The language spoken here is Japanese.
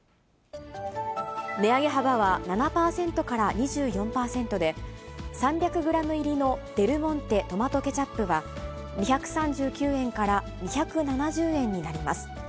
値上げ幅は７％から２４％で、３００グラム入りのデルモンテトマトケチャップは、２３９円から２７０円になります。